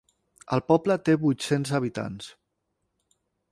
El poble té vuit-cents habitants.